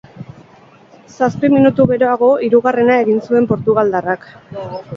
Zazpi minutu geroago hirugarrena egin zuen portugaldarrak.